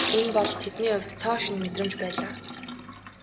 Энэ бол тэдний хувьд цоо шинэ мэдрэмж байлаа.